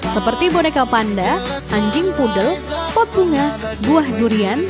seperti boneka panda anjing pudel pot bunga buah durian